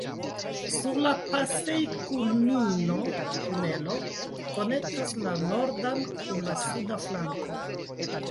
Sur la pasejkulmino tunelo konektas la nordan kun la suda flanko.